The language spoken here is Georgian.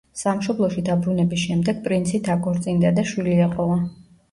სამშობლოში დაბრუნების შემდეგ, პრინცი დაქორწინდა და შვილი ეყოლა.